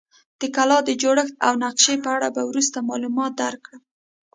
د کلا د جوړښت او نقشې په اړه به وروسته معلومات درکړم.